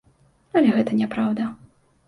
Але гэта не праўда.